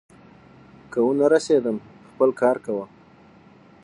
که ونه رسېدم، خپل کار کوه.